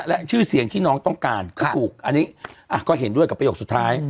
และชื่อเสียงที่น้องต้องการก็ถูกอันนี้ก็เห็นด้วยกับประโยคสุดท้าย